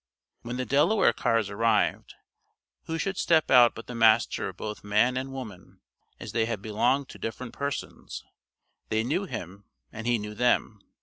When the Delaware cars arrived, who should step out but the master of both man and woman, (as they had belonged to different persons); they knew him, and he knew them.